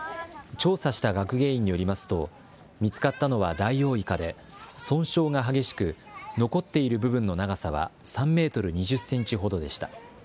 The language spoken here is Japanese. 調査した学芸員によりますと、見つかったのはダイオウイカで、損傷が激しく、残っている部分の長さは３メートル２０センチほどでした。